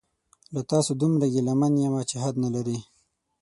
له تاسو دومره ګیله من یمه چې حد نلري